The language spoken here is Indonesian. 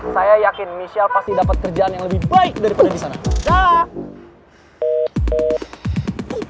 saya yakin michelle pasti dapat kerjaan yang lebih baik daripada di sana